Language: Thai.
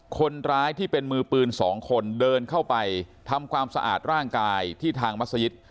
คนร้ายที่เป็นมือปืนสองคนเดินเข้าไปทำความสะอาดร่างกายที่ทางมัศยิต